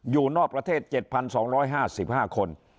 อยู่นอกประเทศ๗๒๕๕คน